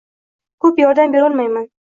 Ko`pam yordam berolmayman